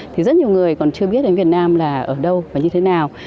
thì rất nhiều người còn chưa biết đến việt nam là ở đâu và như thế nào